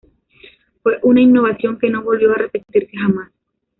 Fue una innovación que no volvió a repetirse jamás.